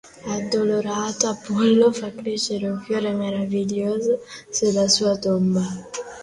Addolorato Apollo fa crescere un fiore meraviglioso sulla sua tomba.